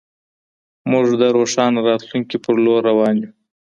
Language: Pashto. موږ د روښانه راتلونکي په لور روان يو.